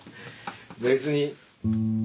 別に。